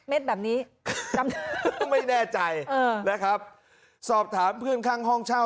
เม็ดแบบนี้ไม่แน่ใจนะครับสอบถามเพื่อนข้างห้องเช่า